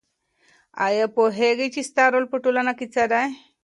آیا پوهېږې چې ستا رول په ټولنه کې څه دی؟